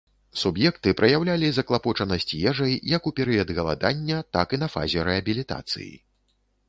Суб'екты праяўлялі заклапочанасць ежай, як у перыяд галадання, так і на фазе рэабілітацыі.